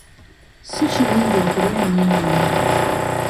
Si kirungi okulya ennyo ennyama.